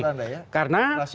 itu sesat menurut anda ya